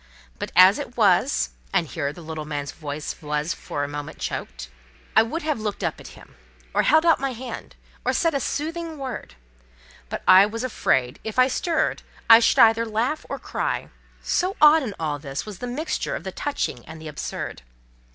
But, as it was—And here, the little man's voice was for a minute choked. I would have looked up at him, or held out my hand, or said a soothing word; but I was afraid, if I stirred, I should either laugh or cry; so odd, in all this, was the mixture of the touching and the absurd.